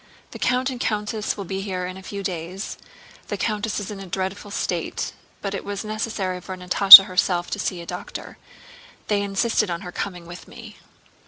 "The count and countess will be here in a few days. The countess is in a dreadful state; but it was necessary for Natásha herself to see a doctor. They insisted on her coming with me."